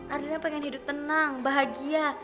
ardina pengen hidup tenang bahagia